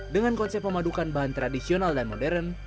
dengan konsep memadukan bahan tradisional dan modern